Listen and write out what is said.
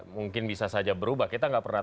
mungkin bisa saja berubah kita nggak pernah